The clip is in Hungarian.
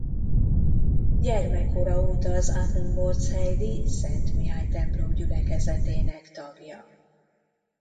Gyermekkora óta az Aachen-Burtscheidi Szent Mihály templom gyülekezetének tagja.